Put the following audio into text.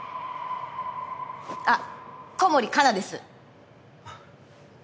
あっ小森かなです。